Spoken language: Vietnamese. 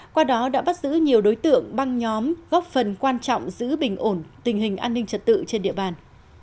qua đó đã bắt giữ nhiều đối tượng băng nhóm góp phần quan trọng giữ bình ổn tình hình an ninh trật tự trên địa bàn